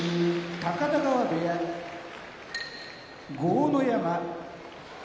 高田川部屋豪ノ山